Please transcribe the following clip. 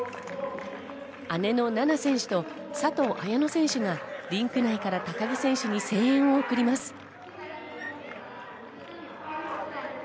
姉の菜那選手と佐藤綾乃選手がリンク内から高木選手に声援を送ります。